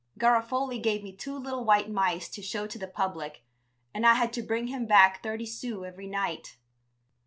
Garofoli gave me two little white mice to show to the public and I had to bring him back thirty sous every night.